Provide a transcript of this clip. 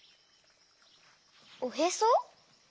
おへそ？